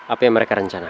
apa yang mereka rencanakan